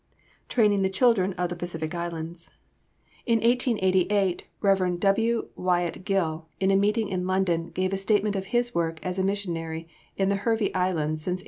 TRAINING THE CHILDREN OF THE PACIFIC ISLANDS In 1888, Rev. W. Wyatt Gill, in a meeting in London, gave a statement of his work as a missionary in the Hervey Islands since 1851.